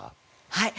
はい。